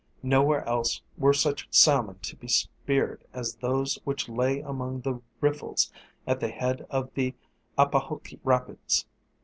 Nowhere else were such salmon to be speared as those which lay among the riffles at the head of the Apahoqui rapids.